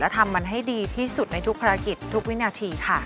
และทำให้ดีที่สุดในทุกปรากฏทุกวินาทีค่ะ